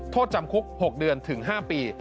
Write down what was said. โทษจำคุก๖เดือนถึง๕ปี